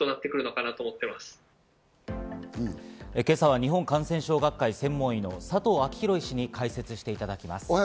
今朝は日本感染症学会・専門医の佐藤昭裕医師に解説していただきます。